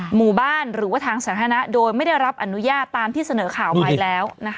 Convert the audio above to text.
หมู่บ้านหรือว่าทางสาธารณะโดยไม่ได้รับอนุญาตตามที่เสนอข่าวไปแล้ว